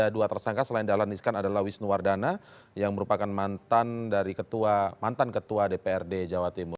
dua tersangka selain dahlan iskan adalah wisnuwardana yang merupakan mantan dari ketua mantan ketua dprd jawa timur